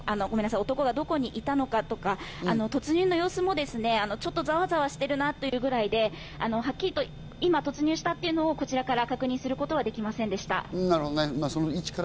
ごめんなさい、男がどこにいたのか、突入の様子もざわざわしているなというぐらいで、はっきりと今、突入したというのをこちらから確認することはできませんでした。